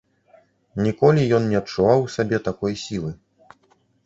Ніколі ён не адчуваў у сабе такой сілы.